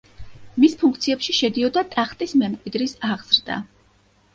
მის ფუნქციებში შედიოდა ტახტის მემკვიდრის აღზრდა.